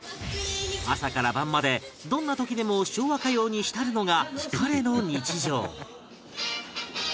朝から晩までどんな時でも昭和歌謡に浸るのが彼の日常